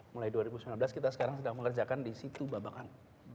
mulai dua ribu sembilan belas kita sekarang sedang mengerjakan di situ babakan